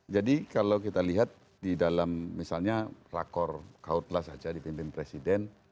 jadi kalau kita lihat di dalam misalnya rakor kautlah saja dipimpin presiden